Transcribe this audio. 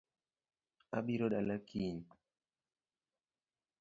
Abiro dala kiny